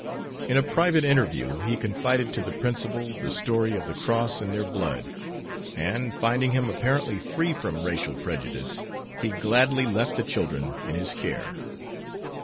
In a private interview he confided to the principal the story of the cross in their blood, and, finding him apparently free from racial prejudice, he gladly left the children in his care.